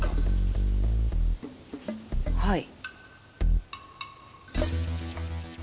はい。